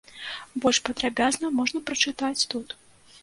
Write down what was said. Больш падрабязна можна прачытаць тут.